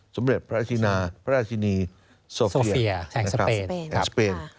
สมเด็จพระราชินาพระราชินีโซเฟียแห่งสเปน